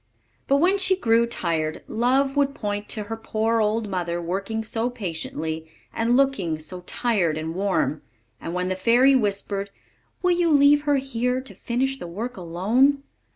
But when she grew tired, Love would point to her poor old mother working so patiently, and looking so tired and warm; and when the fairy whispered, "Will you leave her here to finish the work alone?"